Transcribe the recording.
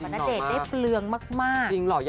อ๋อนี่เรื่องจริง